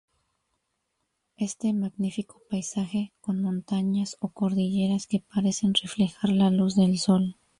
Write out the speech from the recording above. Este magnífico paisaje, con montañas o cordilleras que parecen reflejar la luz del sol.